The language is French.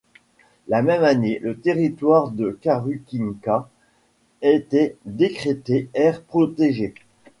La même année, le territoire de Karukinka était décrété aire protégée.